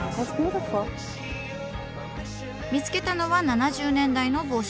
見つけたのは７０年代の帽子。